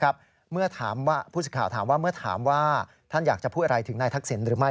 ผู้สิทธิ์ข่าวถามว่าท่านอยากจะพูดอะไรถึงนายทักษิณหรือไม่